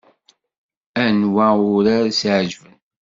Anwa urar i s-iɛeǧben?